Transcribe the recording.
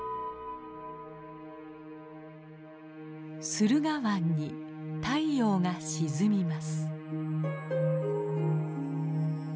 駿河湾に太陽が沈みます。